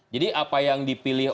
jadi apa yang dipilih